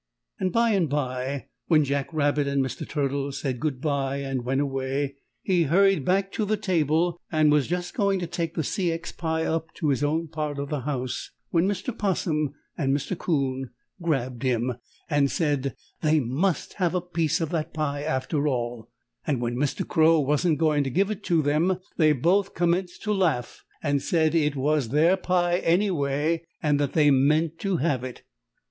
And by and by, when Jack Rabbit and Mr. Turtle said goodby and went away, he hurried back to the table, and was just going to take the C. X. pie up to his own part of the house, when Mr. 'Possum and Mr. 'Coon grabbed him and said they must have a piece of that pie, after all. And when Mr. Crow wasn't going to give it to them they both commenced to laugh and said it was their pie anyway, and that they meant to have it.